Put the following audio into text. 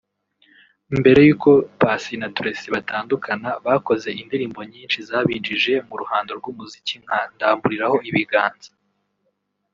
Mbere y’uko Passy na Tracy batandukana bakoze indirimbo nyinshi zabinjije mu ruhando rw’umuziki nka “Ndamburiraho ibiganza”